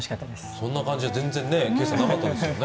そんな感じは全然なかったですね。